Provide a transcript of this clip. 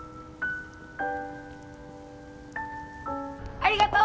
ありがとう！